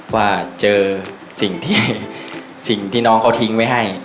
ว่าเจอสิ่งที่น้องเค้าทิ้งไว้ให้